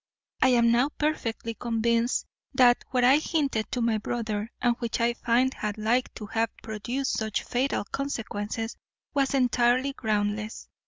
I am now perfectly convinced that what I hinted to my brother, and which I find had like to have produced such fatal consequences, was entirely groundless.